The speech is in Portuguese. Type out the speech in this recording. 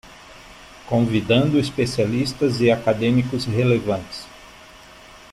Convidando especialistas e acadêmicos relevantes